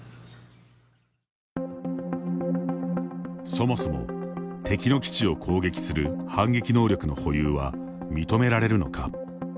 そもそも敵の基地を攻撃する反撃能力の保有は認められるのか。